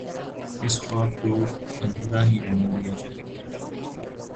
اس خواب کو ادھورا ہی رہنے دیا جائے۔